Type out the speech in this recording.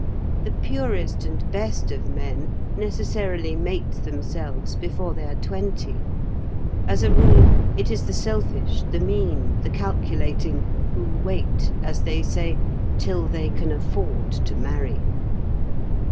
The purest and best of men necessarily mate themselves before they are twenty. As a rule, it is the selfish, the mean, the calculating, who wait, as they say, "till they can afford to marry."